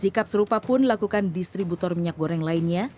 sikap serupa pun dilakukan distributor minyak goreng lainnya